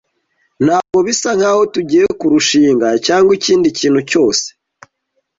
Ntabwo bisa nkaho tugiye kurushinga cyangwa ikindi kintu cyose.